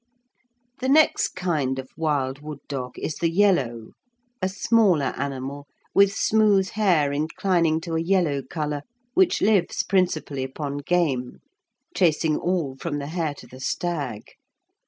The next kind of wild wood dog is the yellow, a smaller animal, with smooth hair inclining to a yellow colour, which lives principally upon game, chasing all, from the hare to the stag.